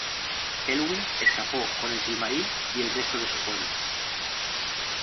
Elwing escapó con el Silmaril y el resto de su pueblo.